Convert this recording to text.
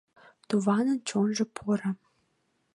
Туванын чонжо поро.